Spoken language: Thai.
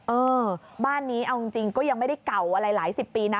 เออบ้านนี้เอาจริงก็ยังไม่ได้เก่าอะไรหลายสิบปีนะ